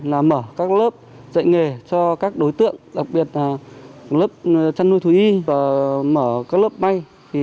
là mở các lớp dạy nghề cho các đối tượng đặc biệt là lớp chăn nuôi thú y và mở các lớp bay